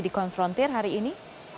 dikonfrontir hari ini